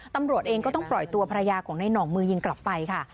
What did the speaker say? ตำรวจเองก็ต้องปล่อยตัวภรรยาของในหน่องมือยิงกลับไปค่ะ